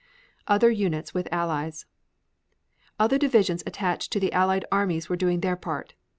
OTHER UNITS WITH ALLIES Other divisions attached to the Allied armies were doing their part.